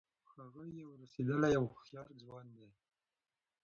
هغه یو رسېدلی او هوښیار ځوان دی.